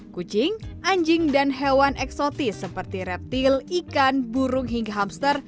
kucing anjing dan hewan eksotis seperti reptil ikan burung hingga hamster